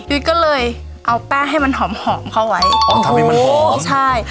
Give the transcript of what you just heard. ก็เลยเอาแป้งให้มันหอมหอมเข้าไว้อ๋อทำให้มันหอมใช่